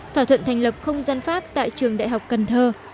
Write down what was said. thỏa thuận thành lập không gian pháp tại trường đại học cần thơ